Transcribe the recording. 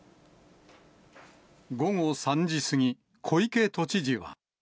午後３時過ぎ、小池都知事は。